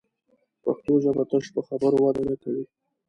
پښتو ژبه تش په خبرو وده نه کوي